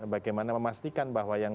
bagaimana memastikan bahwa yang